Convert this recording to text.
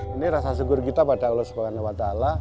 ini rasa syukur kita pada allah swt